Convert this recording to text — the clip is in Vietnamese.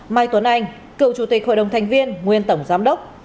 mai tuấn anh cựu chủ tịch hội đồng thành viên nguyên tổng giám đốc